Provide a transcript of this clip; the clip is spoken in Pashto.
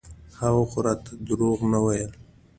هغه خو راته دروغ نه ويل.